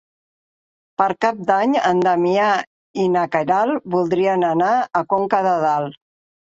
Per Cap d'Any en Damià i na Queralt voldrien anar a Conca de Dalt.